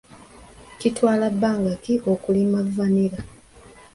Kitwala bbanga ki okulima vanilla?